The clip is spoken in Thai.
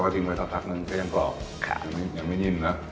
เพราะทิ้งไปสักพักหนึ่งก็ยังปลอบครับยังไม่นิ่มนะ